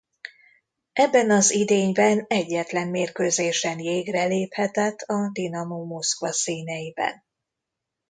Ebben az idényben egyetlen mérkőzésen jégre léphetett a Dinamo Moszkva színeiben.